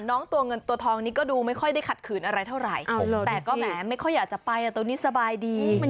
ตัวเงินตัวทองนี้ก็ดูไม่ค่อยได้ขัดขืนอะไรเท่าไหร่แต่ก็แหมไม่ค่อยอยากจะไปตัวนี้สบายดี